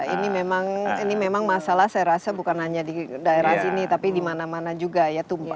ini memang masalah saya rasa bukan hanya di daerah sini tapi di mana mana juga ya tumpah